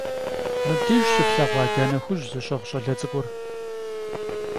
Mıbdêjj şıflheğua cane xuj zışığ ş'ale ts'ık'ur?